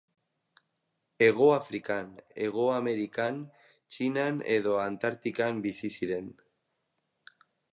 Hegoafrikan, Hego Amerikan, Txinan edo Antartikan bizi ziren.